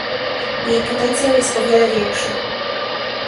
Jej potencjał jest o wiele większy